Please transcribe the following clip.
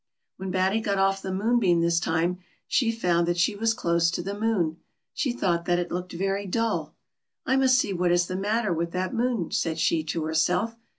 When Batty got off the moonbeam this time, she found that she was close to the moon. She thought that it looked very dull, " I must see what is the matter with that moon," said she to herself.